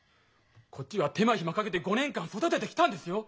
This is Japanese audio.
こっちは手間暇かけて５年間育ててきたんですよ！